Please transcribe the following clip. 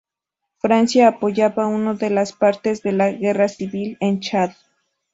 Francia apoyaba a uno de las partes de la guerra civil en Chad.